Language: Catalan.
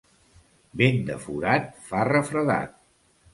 Vent de forat fa refredat.